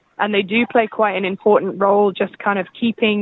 dan mereka memiliki peran yang sangat penting